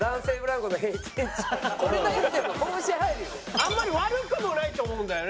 あんまり悪くもないと思うんだよね。